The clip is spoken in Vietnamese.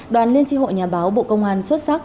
đoàn liên tri hội nhà báo bộ công an xuất sắc